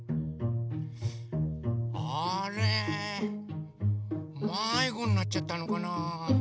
あれまいごになっちゃったのかな？